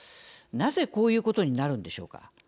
なぜこういうことになるんでしょうか。